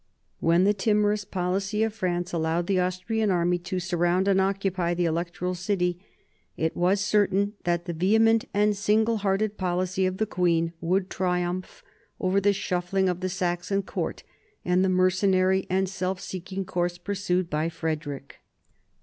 When the timorous policy of France allowed the Austrian army to surround and occupy the electoral city, it was certain that the vehement and single hearted policy of the queen would triumph over the shuffling of the Saxon court and the mercenary and self seeking course pur sued by Frederick.